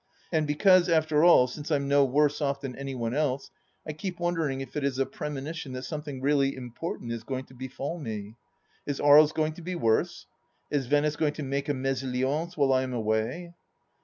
And because after all, since I'm no worse off than any one else, I keep wondering if it is a premonition that something really important is going to befall me. Is Aries going to be worse ? Is Venice going to make a mesalliance while I am away